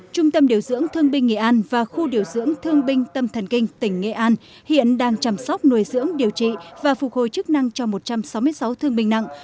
trung tâm điều dưỡng thương binh nghệ an và khu điều dưỡng thương binh tâm thần kinh tỉnh nghệ an hiện đang chăm sóc nuôi dưỡng điều trị và phục hồi chức năng cho một trăm sáu mươi sáu thương binh nặng